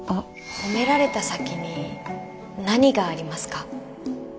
褒められた先に何がありますか？